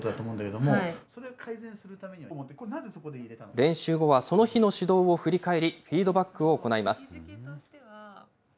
練習後は、その日の指導を振り返り、フィードバックを行います。